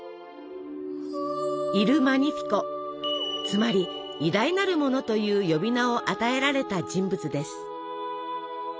つまり「偉大なる者」という呼び名を与えられた人物です。